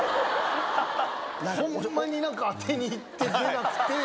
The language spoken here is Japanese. ホンマに当てに行って出なくて。